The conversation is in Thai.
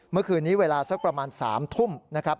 เมื่อคืนนี้เวลาสักประมาณ๓ทุ่มนะครับ